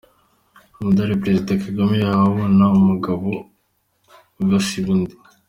Umudari Perezida Kagame yahawe ubona umugabo ugasiba undi.